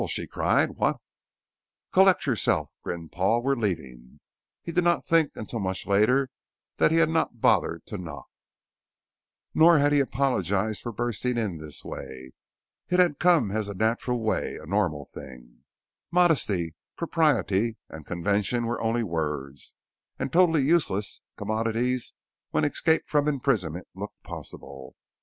she cried. "What ?" "Collect yourself," grinned Paul. "We're leaving." He did not think until much later that he had not bothered to knock, nor had he apologized for bursting in this way. It had come as a natural way, a normal thing. Modesty, propriety, and convention were only words, and totally useless commodities when escape from imprisonment looked possible.